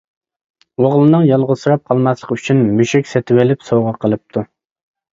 ئوغلىنىڭ يالغۇزسىراپ قالماسلىقى ئۈچۈن مۈشۈك سېتىۋېلىپ سوۋغا قىلىپتۇ.